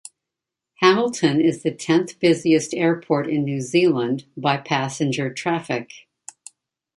Hamilton is the tenth-busiest airport in New Zealand by passenger traffic.